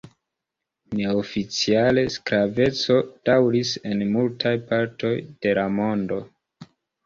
Neoficiale sklaveco daŭris en multaj partoj de la mondo.